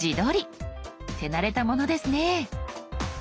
手慣れたものですね。